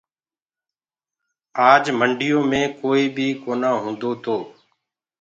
آج منڊيو مي ڪوئي بي ڪونآ هوندو تو۔